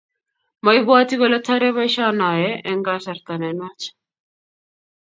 maibwiti kole torei boisionoe eng kasarta ne nuach